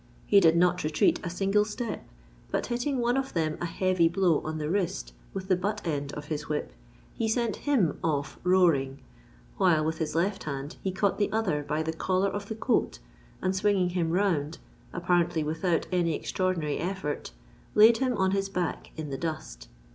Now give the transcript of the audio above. He did not retreat a single step, but hitting one of them a heavy blow on the wrist with the butt end of his whip, he sent him off roaring, while with his left hand he caught the other by the collar of the coat and swinging him round—apparently without any extraordinary effort—laid him on his back in the dust.